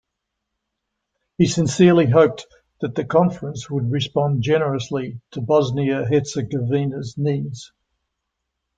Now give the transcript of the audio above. He sincerely hoped that the Conference would respond generously to Bosnia-Herzegovina's needs.